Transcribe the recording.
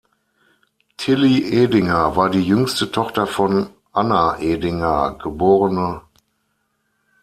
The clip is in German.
Tilly Edinger war die jüngste Tochter von Anna Edinger, geb.